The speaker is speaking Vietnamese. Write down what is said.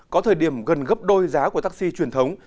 có thời điểm gần gấp đôi giá của taxi truyền thống